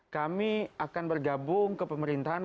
kami akan bergabung ke pemerintahan